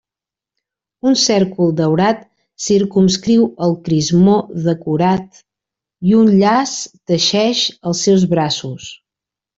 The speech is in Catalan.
Un cèrcol daurat circumscriu el crismó decorat i un llaç teixeix els seus braços.